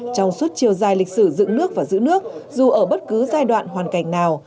trong suốt chiều dài lịch sử dựng nước và giữ nước dù ở bất cứ giai đoạn hoàn cảnh nào